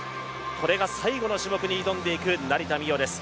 これが最後の種目に挑んでいく成田実生です。